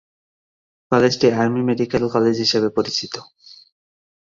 কলেজটি army medical college হিসেবে পরিচিত।